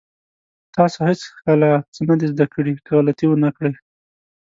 تاسو هېڅکله څه زده نه کړئ که غلطي ونه کړئ.